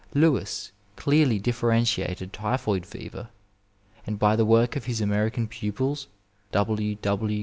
Louis clearly difierentiated typhoid fever, and by the work of his Ameri can pupils, W.